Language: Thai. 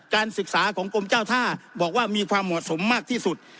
การศึกษาของกรมเจ้าท่าบอกว่ามีความเหมาะสมมากที่สุด